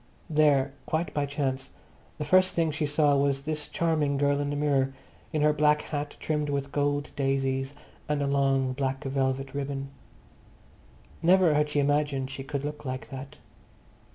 There, quite by chance, the first thing she saw was this charming girl in the mirror, in her black hat trimmed with gold daisies, and a long black velvet ribbon. Never had she imagined she could look like that.